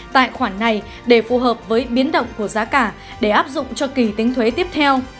tại khoản này để phù hợp với biến động của giá cả để áp dụng cho kỳ tính thuế tiếp theo